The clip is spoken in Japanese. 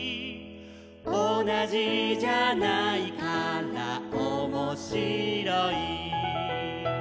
「おなじじゃないからおもしろい」